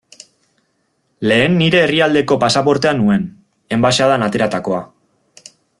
Lehen nire herrialdeko pasaportea nuen, enbaxadan ateratakoa.